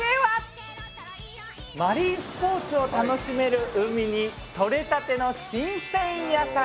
マリンスポーツを楽しめる海に取れたての新鮮野菜。